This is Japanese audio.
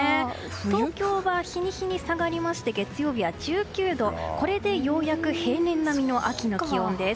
東京は日に日に下がりまして月曜日は１９度これでようやく平年並みの秋の気温です。